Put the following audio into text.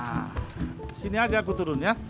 nah sini aja aku turun ya